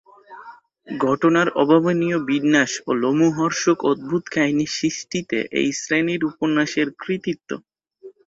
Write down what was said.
ঘটনার অভাবনীয় বিন্যাস ও লোমহর্ষক অদ্ভুত কাহিনী-সৃষ্টিতে এই শ্রেণীর উপন্যাসের কৃতিত্ব।